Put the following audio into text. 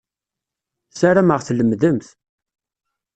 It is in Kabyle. Sarameɣ tlemmdemt.